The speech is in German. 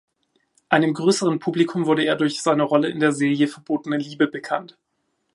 Einem größeren Publikum wurde er durch seine Rolle in der Serie Verbotene Liebe bekannt.